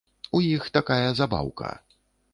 У іх такая забаўка.